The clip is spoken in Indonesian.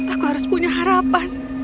aku harus punya harapan